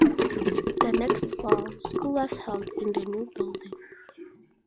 The next fall, school was held in the new building.